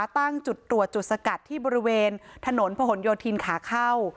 ตั้งจุดตรวจจุดสกัดที่บริเวณถนนผนโยธินขาเข้า